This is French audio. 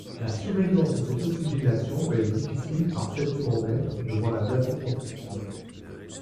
La surveillance de cette oxygénation peut être difficile par saturomètre devant la vasoconstriction.